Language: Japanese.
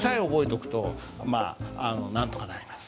とくとまあなんとかなります。